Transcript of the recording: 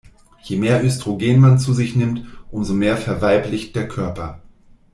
Je mehr Östrogen man zu sich nimmt, umso mehr verweiblicht der Körper.